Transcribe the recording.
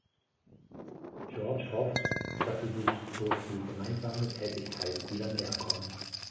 George hofft, dass sie sich durch die gemeinsame Tätigkeit wieder näherkommen.